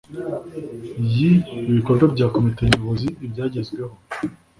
Y ibikorwa bya komite nyobozi ibyagezweho